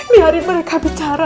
biarin mereka bicara